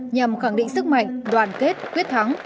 nhằm khẳng định sức mạnh đoàn kết quyết thắng